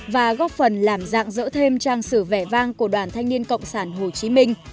và góp phần làm dạng dỡ thêm trang sử vẻ vang của đoàn thanh niên cộng sản hồ chí minh